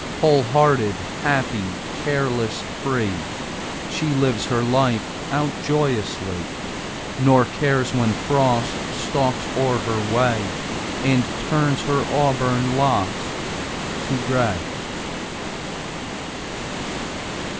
Whole hearted, happy, careless, free, She lives her life out joyously, Nor cares when Frost stalks o'er her way And turns her auburn locks to gray.